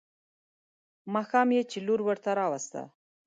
ماښام چې لور ورته راوسته.